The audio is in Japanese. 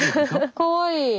かわいい！